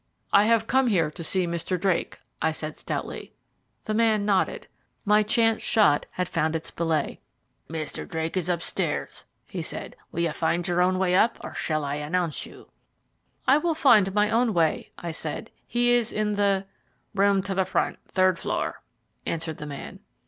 "I have come here to see Mr. Drake," I said stoutly. The man nodded. My chance shot had found its billet. "Mr. Drake is upstairs," he said. "Will you find your own way up, or shall I announce you?" "I will find my own way," I said. "He is in the " "Room to the front third floor," answered the man.